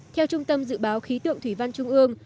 theo trung tâm dự báo khí tượng thủy văn trung ương